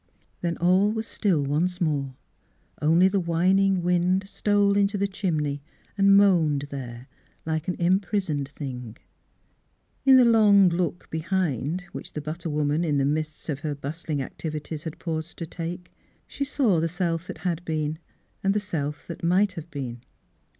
Then all was still once more, only the whining wind stole into the chimney and moaned there, like an impris oned thing. In the long look behind, which the but ter woman in the midst of her bustling ac tivities had paused to take, she saw the self that had been and the self that might Mzss Philura's Wedding Gown have been.